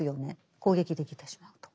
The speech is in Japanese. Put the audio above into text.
攻撃できてしまうと。